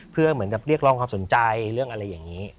เพื่อเหมือนกับเรียกร้องความสนใจเรื่องอะไรอย่างนี้